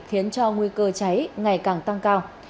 thiến cho nguy cơ cháy ngày càng tăng cao